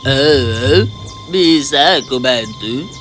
oh bisa aku bantu